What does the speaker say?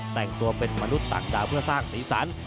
แต่งตัวเป็นมนุษย์ต่างดาวเพื่อสร้างสีสัน